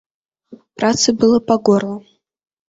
Працы было па горла!